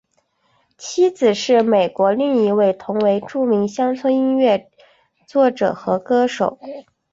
妻子是美国另一位同为著名乡村音乐作者和歌手。